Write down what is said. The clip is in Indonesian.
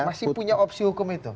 masih punya opsi hukum itu